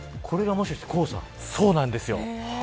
そうなんですよ。